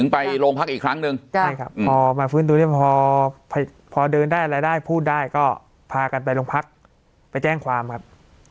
ไปโรงพักอีกครั้งหนึ่งใช่ครับพอมาฟื้นตัวได้พอพอเดินได้อะไรได้พูดได้ก็พากันไปโรงพักไปแจ้งความครับ